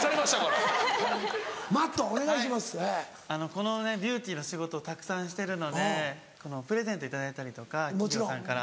このねビューティーの仕事をたくさんしてるのでプレゼント頂いたりとか企業さんから。